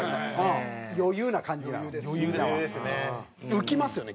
浮きますよね